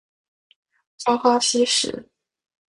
朝花夕拾